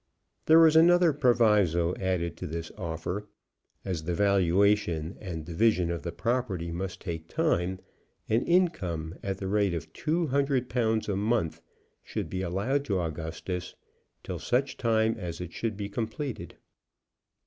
There was another proviso added to this offer: as the valuation and division of the property must take time, an income at the rate of two hundred pounds a month should be allowed to Augustus till such time as it should be completed.